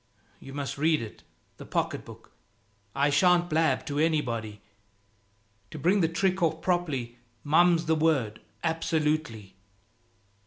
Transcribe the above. You must read it, the pocket book. I shan't blab to anybody. To bring the trick off properly, mum's the word, absolutely."